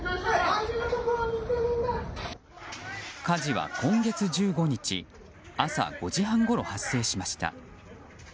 火事は今月１５日朝５時半ごろ発生しました。